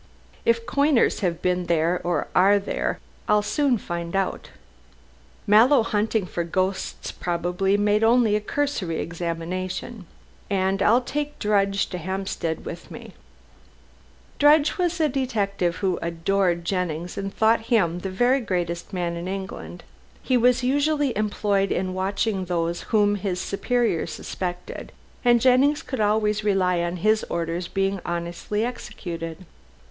If coiners have been there, or are there, I'll soon find out. Mallow hunting for ghosts, probably, made only a cursory examination. And I'll take Drudge to Hampstead with me." Drudge was a detective who adored Jennings and thought him the very greatest man in England. He was usually employed in watching those whom his superior suspected, and Jennings could always rely on his orders being honestly executed.